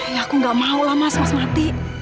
ya aku gak mau lah mas mas mati